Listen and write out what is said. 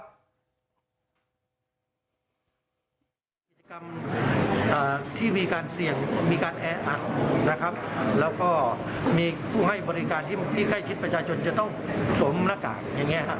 กิจกรรมที่มีการเสี่ยงมีการแออัดนะครับแล้วก็มีผู้ให้บริการที่ใกล้ชิดประชาชนจะต้องสวมหน้ากากอย่างนี้ครับ